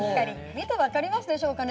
見て分かりますでしょうかね。